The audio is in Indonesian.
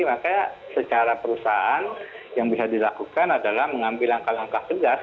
makanya secara perusahaan yang bisa dilakukan adalah mengambil langkah langkah tegas